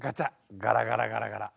ガラガラガラガラ。